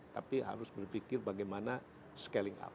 tapi harus berpikir bagaimana scaling up